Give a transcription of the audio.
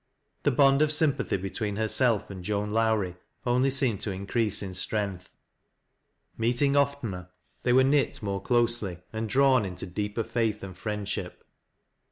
The bond of sympathy between herself and Joan Lowiie ivnly seemed to increase in strength. Meeting oftener, they were knit more closely, and drawn into deeper faith and friendship.